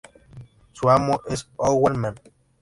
Su amo es Owlman.